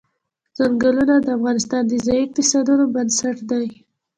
ځنګلونه د افغانستان د ځایي اقتصادونو بنسټ دی.